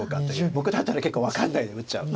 僕だったら結構分かんないで打っちゃう。